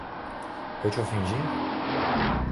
Eu te ofendi?